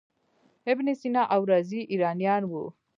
ابن سینا او رازي ایرانیان وو.